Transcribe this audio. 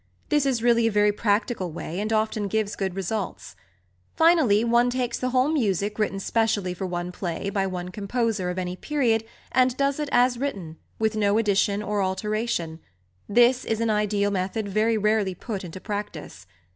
This is really a very practical way, and often gives good results. Finally, {xiii} one takes the whole music written specially for one play by one composer of any period, and does it as written, with no addition or alteration: this is an ideal method very rarely put into practice.